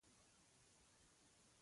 لومړۍ برخه قران عظیم الشان ختم و.